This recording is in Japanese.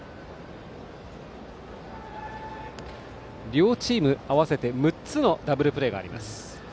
両チーム合わせて６つのダブルプレーがあります。